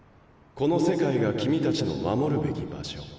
この世界が君たちの護るべき場所。